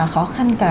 khó khăn cả